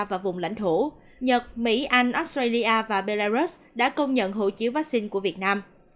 và vùng lãnh thổ nhật mỹ anh australia và belarus đã công nhận hộ chiếu vaccine của việt nam